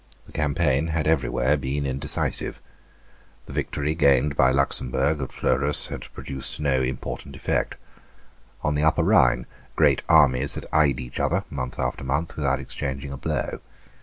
The campaign had everywhere been indecisive. The victory gained by Luxemburg at Fleurus had produced no important effect. On the Upper Rhine great armies had eyed each other, month after month, without exchanging a blow.